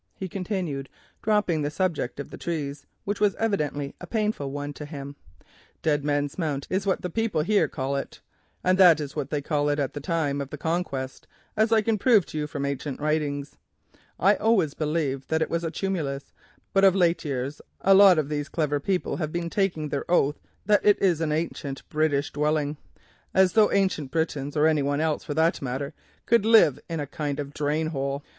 he continued, dropping the subject of the trees, which was evidently a painful one to him. "Dead Man's Mount is what the people about here call it, and that is what they called it at the time of the Conquest, as I can prove to you from ancient writings. I always believed that it was a tumulus, but of late years a lot of these clever people have been taking their oath that it is an ancient British dwelling, as though Ancient Britons, or any one else for that matter, could live in a kind of drainhole.